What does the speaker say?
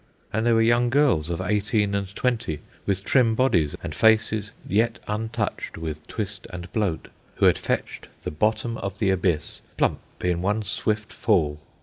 And there were young girls, of eighteen and twenty, with trim bodies and faces yet untouched with twist and bloat, who had fetched the bottom of the Abyss plump, in one swift fall.